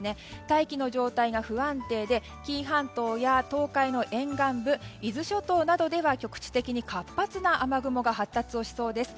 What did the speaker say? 大気の状態が不安定で紀伊半島や東海の沿岸部伊豆諸島などでは局地的に活発な雨雲が発達をしそうです。